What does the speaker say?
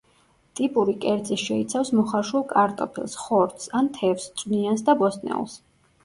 ტიპური კერძი შეიცავს მოხარშულ კარტოფილს, ხორცს ან თევზს, წვნიანს და ბოსტნეულს.